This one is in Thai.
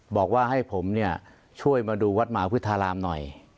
บอกว่าให้ผมเนี่ยช่วยมาดูวัดมหาพุทธารามหน่อย